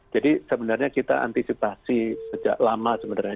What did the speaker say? jadi sebenarnya kita antisipasi sejak lama sebenarnya